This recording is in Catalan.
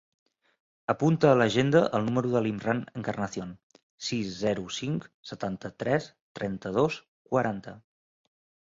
Apunta a l'agenda el número de l'Imran Encarnacion: sis, zero, cinc, setanta-tres, trenta-dos, quaranta.